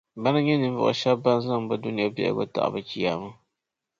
Bana n-nyɛ ninvuɣu shɛba ban zaŋ bɛ Dunia biεhigu n-taɣi bɛ Chiyaama.